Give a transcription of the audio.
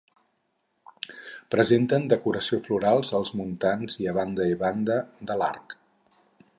Presenten decoració floral als muntants i a banda i banda de l'arc.